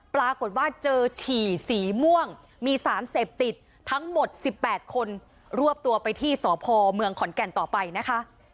ปรากฏว่าเจอถี่สีม่วงมีสารเสพติดทั้งหมด๑๘คนรวบตัวไปที่สพเมืองขอนแก่นต่อไปนะคะ